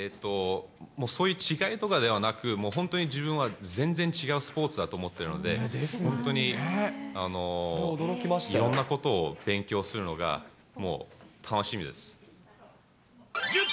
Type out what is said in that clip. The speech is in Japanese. そういう違いとかではなく、もう本当に、自分は全然違うスポーツだと思っているので、本当にいろんなことを勉強するのが、もう楽しみです。